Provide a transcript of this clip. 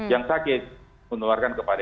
yang sakit menularkan kepada